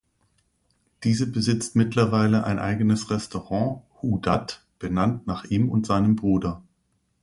Diese besitzt mittlerweile ein eigenes Restaurant "Hu Dat", benannt nach ihm und seinem Bruder.